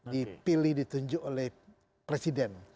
dipilih ditunjuk oleh presiden